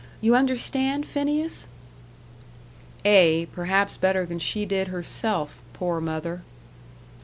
You understand, Phineas?" Ay, perhaps better than she did herself, poor mother!